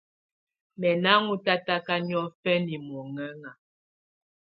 Mɛ̀ nà ɔ́n tataka niɔ̀fɛna muhɛna.